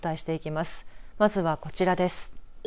まずはこちらです。